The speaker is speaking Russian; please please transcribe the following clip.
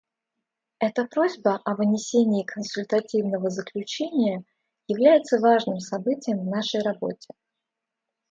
Эта просьба о вынесении консультативного заключения является важным событием в нашей работе.